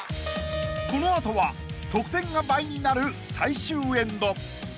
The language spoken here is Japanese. ［この後は得点が倍になる最終エンド］